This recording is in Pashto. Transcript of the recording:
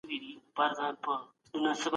د رب په نوم ليکل پيل کړئ.